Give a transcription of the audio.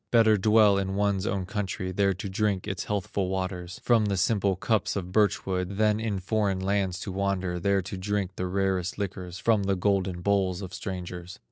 Better dwell in one's own country, There to drink its healthful waters From the simple cups of birch wood, Than in foreign lands to wander, There to drink the rarest liquors From the golden bowls of strangers."